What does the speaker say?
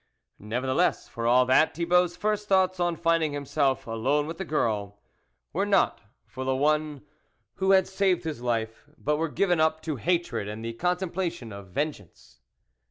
Nevertheless, for all that, Thibault's first thoughts on finding himself alone with the girl, were not for the one who had saved his life, but were given up to hatred and the contemplation of ven geance.